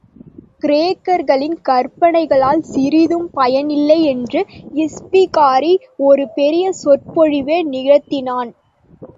கிரேக்கர்களின் கற்பனைகளால் சிறிதும் பயனில்லை என்று இஸ்பிகாரி ஒரு பெரிய சொற்பொழிவே நிகழ்த்தினான்.